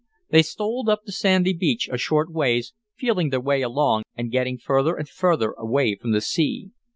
They stole up the sandy beach a short ways, feeling their way along and getting further and further away from the sea.